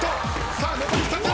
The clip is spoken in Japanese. さあ残り２つ。